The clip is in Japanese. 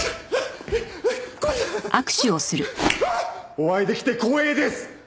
お会いできて光栄です！